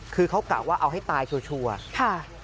คือเขากะว่าเอาให้ตายชัวร์ค่ะ